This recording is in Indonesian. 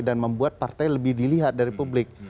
dan membuat partai lebih dilihat dari publik